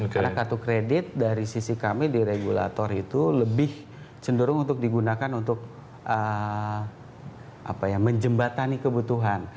karena kartu kredit dari sisi kami di regulator itu lebih cenderung untuk digunakan untuk menjembatani kebutuhan